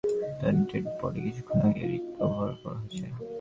তার ডেডবডি কিছুক্ষণ আগেই রিকভার করা হয়েছে।